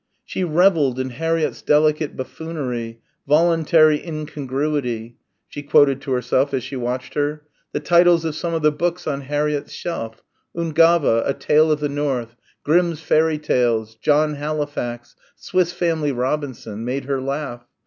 She revelled in Harriett's delicate buffoonery ("voluntary incongruity" she quoted to herself as she watched her) the titles of some of the books on Harriett's shelf, "Ungava; a Tale of the North," "Grimm's Fairy Tales," "John Halifax," "Swiss Family Robinson" made her laugh.